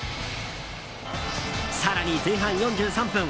更に、前半４３分。